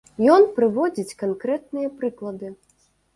Ён прыводзіць канкрэтныя прыклады.